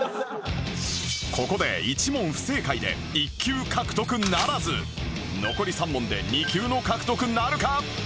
ここで１問不正解で残り３問で２級の獲得なるか？